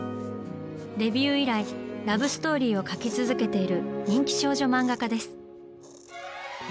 デビュー以来ラブストーリーを描き続けている人気少女漫画家です。